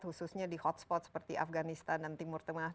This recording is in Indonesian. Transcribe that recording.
khususnya di hotspot seperti afganistan dan timur tengah